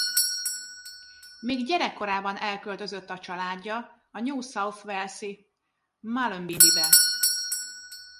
Még gyerekkorában elköltözött a családja a New South Wales-i Mullumbimby-be.